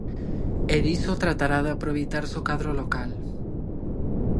E diso tratará de aproveitarse o cadro local.